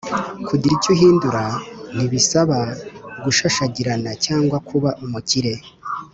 kugira icyo uhindura nibisaba kushashagirana cyangwa kuba umukire